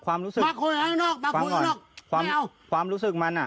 ความรู้สึกมาคุยข้างนอกมาคุยข้างนอกความรู้สึกมันอ่ะ